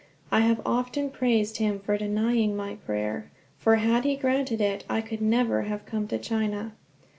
I have often praised him for denying my prayer; for had he granted it I could never have come to China.